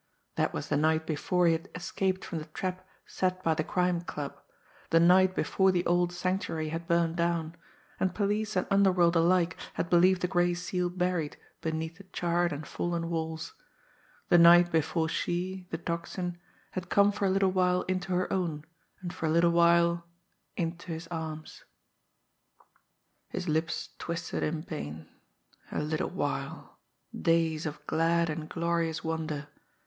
That was the night before he had escaped from the trap set by the Crime Club; the night before the old Sanctuary had burned down, and police and underworld alike had believed the Gray Seal buried beneath the charred and fallen walls; the night before she, the Tocsin, had come for a little while into her own, and for a little while into his arms. His lips twisted in pain. A little while! Days of glad and glorious wonder!